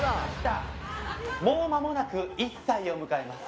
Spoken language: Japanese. もう間もなく１歳を迎えます